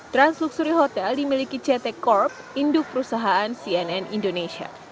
transluxury hotel dimiliki ct corp induk perusahaan cnn indonesia